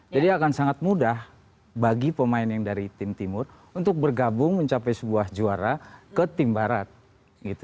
jadi akan sangat mudah bagi pemain yang dari tim timur untuk bergabung mencapai sebuah juara ke tim barat